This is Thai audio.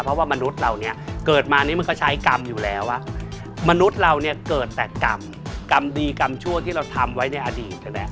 เพราะว่ามนุษย์เราเนี่ยเกิดมานี่มันก็ใช้กรรมอยู่แล้วมนุษย์เราเนี่ยเกิดแต่กรรมกรรมดีกรรมชั่วที่เราทำไว้ในอดีตนั่นแหละ